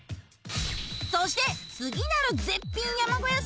そして次なる絶品山小屋